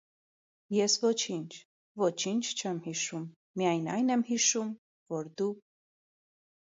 Ես ոչինչ, ոչինչ չեմ հիշում, միայն այն եմ հիշում, որ դու…